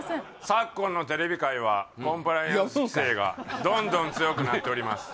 昨今のテレビ界はコンプライアンス規制がどんどん強くなっております